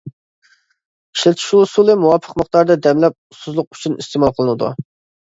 ئىشلىتىش ئۇسۇلى مۇۋاپىق مىقداردا دەملەپ ئۇسسۇزلۇق ئۈچۈن ئىستېمال قىلىنىدۇ.